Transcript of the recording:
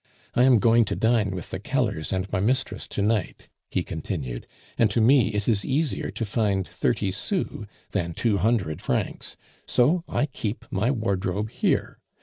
I am going to dine with the Kellers and my mistress to night," he continued; "and to me it is easier to find thirty sous than two hundred francs, so I keep my wardrobe here.